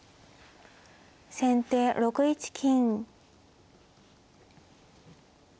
先手６一金。